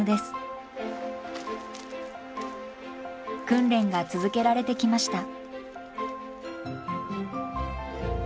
訓練が続けられてきました。